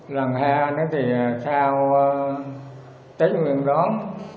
lần hai nó thì sau tết nguyễn tón